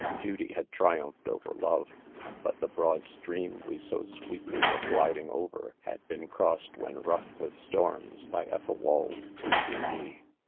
'.Duty had triumphed over love ; but :the broad, stream we so sweetly were gliding over, had been crossed when rough with .storms, by Ethelwald, to .see me.